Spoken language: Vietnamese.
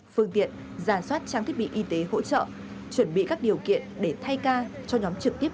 phương tiện giả soát trang thiết bị y tế hỗ trợ chuẩn bị các điều kiện để thay ca cho nhóm trực tiếp